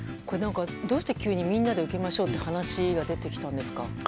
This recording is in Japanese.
どうして急にみんなで受けましょうという話が出てきたんですか？